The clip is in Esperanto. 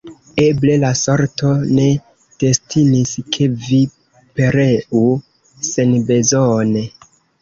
Eble, la sorto ne destinis, ke vi pereu senbezone.